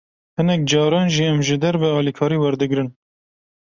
Hinek caran jî, em ji derve alîkarî werdigrin